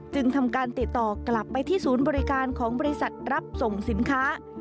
จึงทำการติดต่อกลับไปที่ศูนย์บริการของบริษัทรับส่งสินค้า